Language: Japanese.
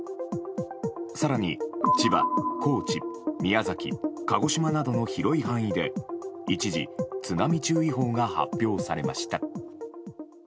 更に、千葉・高知宮崎・鹿児島などの広い範囲で一時、津波注意報が発表されました。